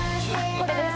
これです